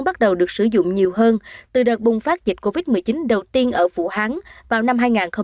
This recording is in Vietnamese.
bắt đầu được sử dụng nhiều hơn từ đợt bùng phát dịch covid một mươi chín đầu tiên ở vũ hán vào năm hai nghìn hai mươi